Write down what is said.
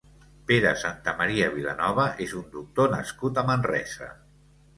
Pere Santamaria Vilanova és un doctor nascut a Manresa.